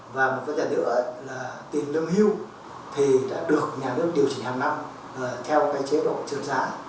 và một phần nữa là tiền lương hưu thì đã được nhà nước điều chỉ hàng năm theo chế độ trưởng giá